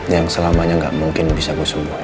yang selamanya gak mungkin bisa gue sembuhin